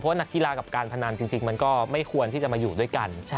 นักกีฬากับการพนันจริงมันก็ไม่ควรที่จะมาอยู่ด้วยกัน